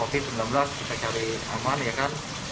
kita cari aman ya kan